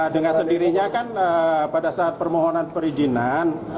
dengan sendirinya kan pada saat permohonan perizinan